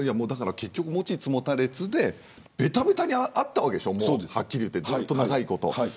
結局、持ちつ持たれつでべたべたにあったわけでしょはっきり言って長いこと。